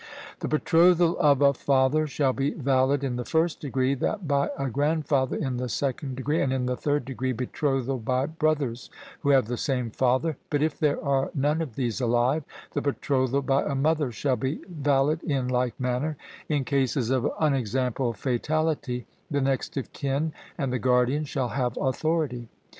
The betrothal by a father shall be valid in the first degree, that by a grandfather in the second degree, and in the third degree, betrothal by brothers who have the same father; but if there are none of these alive, the betrothal by a mother shall be valid in like manner; in cases of unexampled fatality, the next of kin and the guardians shall have authority.